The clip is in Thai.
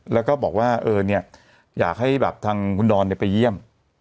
แล้วก็บอกว่าเออเนี่ยอยากให้แบบทางคุณดอนเนี่ยไปเยี่ยม